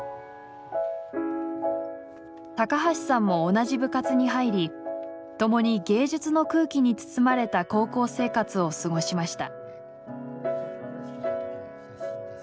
橋さんも同じ部活に入り共に芸術の空気に包まれた高校生活を過ごしました。